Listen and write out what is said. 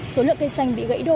số lượng cây xanh bị gãy đổ